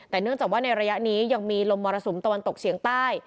แต่เนื่องจากว่าในระยะนี้ยังมีลมมรสุมตะวันตกเฉียงใต้